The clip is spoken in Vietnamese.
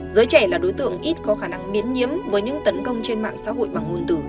giới trẻ là đối tượng ít có khả năng miến nhiếm với những tấn công trên mạng xã hội bằng nguồn từ